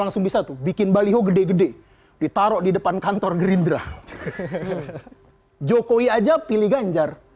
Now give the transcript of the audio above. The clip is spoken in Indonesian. langsung bisa tuh bikin baliho gede gede ditaruh di depan kantor gerindra jokowi aja pilih ganjar